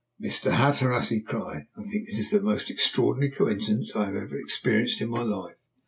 "Mr. Hatteras," he cried, "I think this is the most extraordinary coincidence I have ever experienced in my life."